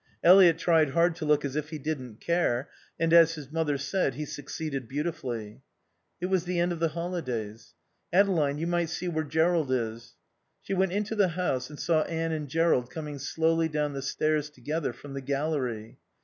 Eliot tried hard to look as if he didn't care; and, as his mother said, he succeeded beautifully. It was the end of the holidays. "Adeline, you might see where Jerrold is." She went into the house and saw Anne and Jerrold coming slowly down the stairs together from the gallery.